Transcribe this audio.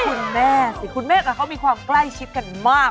คุณแม่สิคุณแม่กับเขามีความใกล้ชิดกันมาก